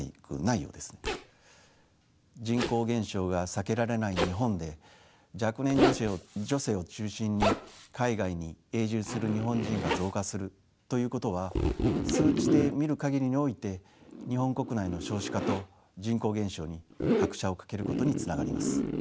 人口減少が避けられない日本で若年女性を中心に海外に永住する日本人が増加するということは数値で見る限りにおいて日本国内の少子化と人口減少に拍車をかけることにつながります。